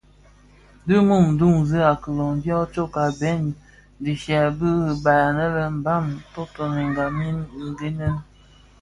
Di mum duňzi a kiloň dyo tsokka bèn dhishya di ribaï anë lè Mbam ntondakèn mii gene.